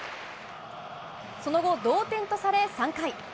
その後、同点とされ３回。